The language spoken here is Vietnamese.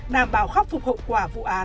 đảm bảo khắc phục hậu quả vụ án